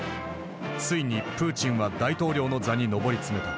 ついにプーチンは大統領の座に上り詰めた。